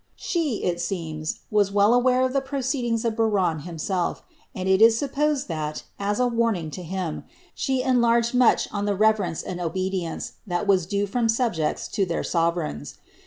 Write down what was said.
She, it aeems, was well aware of the proceedings of Biron himself, and it is supposed that, as a warning to him, she enlarged much on the reverence and obe dieoee that was due from subjects to their sovereigns.